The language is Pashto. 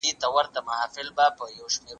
¬ ته له ما جار، زه له تا جار.